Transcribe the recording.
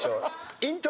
イントロ。